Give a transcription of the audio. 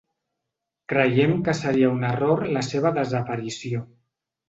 Creiem que seria un error la seva desaparició.